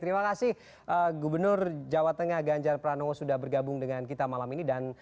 terima kasih gubernur jawa tengah ganjar pranowo sudah bergabung dengan kita malam ini